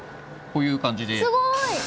こういう感じで。